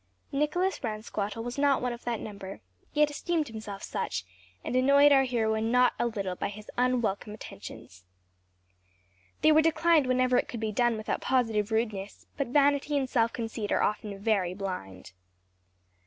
Nicholas Ransquattle was not one of that number, yet esteemed himself such, and annoyed our heroine not a little by his unwelcome attentions. They were declined whenever it could be done without positive rudeness, but vanity and self conceit are often very blind.